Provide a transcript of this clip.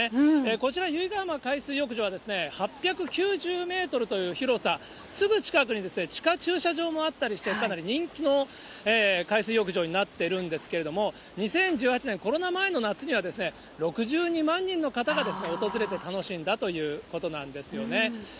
こちら、由比ガ浜海水浴場は、８９０メートルという広さ、すぐ近くに地下駐車場もあったりして、かなり人気の海水浴場になっているんですけれども、２０１８年、コロナ前の夏には６２万人の方が訪れて楽しんだということなんですよね。